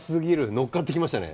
乗っかってきましたね。